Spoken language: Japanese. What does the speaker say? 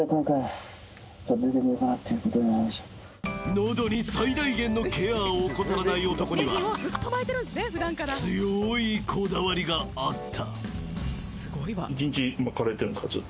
［喉に最大限のケアを怠らない男には強いこだわりがあった］